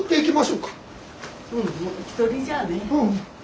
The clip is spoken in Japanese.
うん１人じゃあね。